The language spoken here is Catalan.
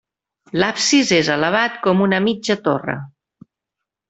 L'absis és elevat com una mitja torre.